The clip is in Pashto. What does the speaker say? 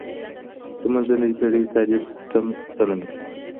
د منځنۍ پېړۍ تعلیمي سیستم څه نومیده؟